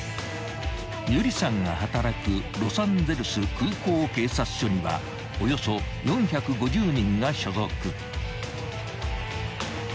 ［有理さんが働くロサンゼルス空港警察署にはおよそ４５０人が所属］